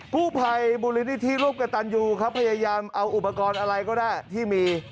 กู้ภัยมูลนิธิร่วมกับตันยูครับพยายามเอาอุปกรณ์อะไรก็ได้ที่มี